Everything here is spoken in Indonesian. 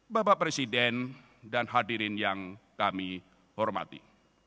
bapak presiden dan hadirin yang kami hormati